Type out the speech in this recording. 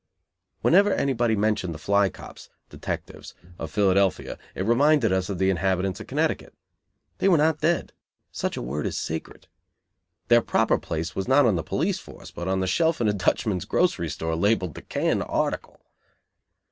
Whenever anybody mentioned the fly cops (detectives) of Philadelphia it reminded us of the inhabitants of Connecticut. They were not "dead": such a word is sacred. Their proper place was not on the police force, but on a shelf in a Dutchman's grocery store labelled the canned article.